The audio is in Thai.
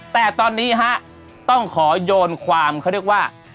แต่ตอนนี้ฮะต้องขอโยนความเขาเรียกว่า